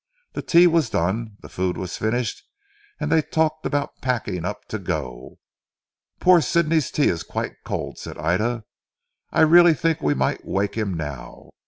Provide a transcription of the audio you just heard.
The tea was done, the food was finished, and they talked about packing up to go. "Poor Sidney's tea is quite cold," said Ida. "I really think we might wake him now.